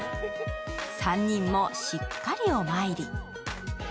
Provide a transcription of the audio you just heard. ３人もしっかりお参り。